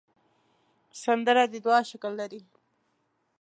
سندره د دعا شکل لري